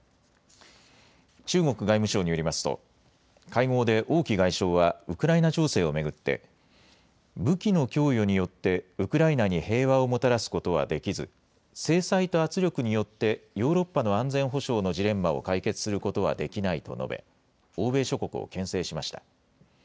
中国外務省によりますと会合で王毅外相はウクライナ情勢を巡って武器の供与によってウクライナに平和をもたらすことはできず制裁と圧力によってヨーロッパの安全保障のジレンマを解決することはできないと述べ欧米諸国をけん制しました。